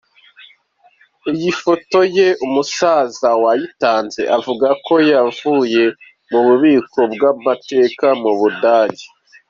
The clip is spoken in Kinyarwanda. Iyi foto ye umusaza wayitanze avuga ko yavuye mu bubiko bw’Amateka mu Budage.